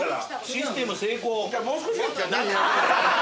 システム成功。